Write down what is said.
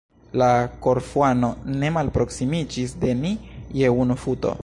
La Korfuano ne malproksimiĝis de ni je unu futo.